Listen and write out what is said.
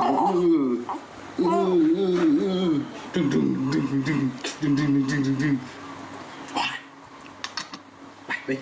ไปไปไปมองไปลูกไป